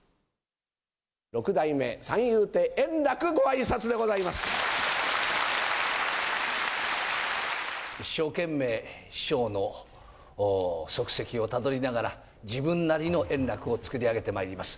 六代目三遊亭円楽、ごあいさ一生懸命、師匠の足跡をたどりながら、自分なりの円楽を作り上げてまいります。